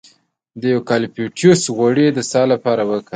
د یوکالیپټوس غوړي د ساه لپاره وکاروئ